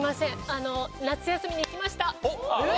あの夏休みに行きました。